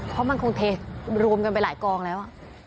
เพราะมันคงเทรวมกันไปหลายกองแล้ว